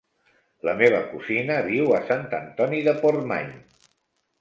La meva cosina viu a Sant Antoni de Portmany.